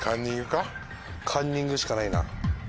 「カンニング」しかないな。